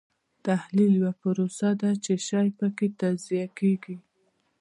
تحلیل یوه پروسه ده چې شی پکې تجزیه کیږي.